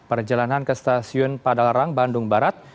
perjalanan ke stasiun padalarang bandung barat